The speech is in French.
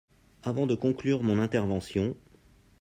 Avant de conclure mon intervention